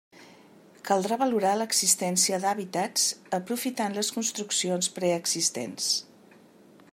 Caldrà valorar l'existència d'hàbitats aprofitant les construccions preexistents.